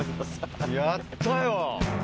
やったよ。